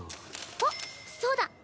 あっそうだ。